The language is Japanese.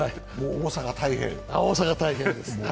大阪、大変です。